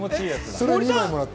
それを２枚もらった。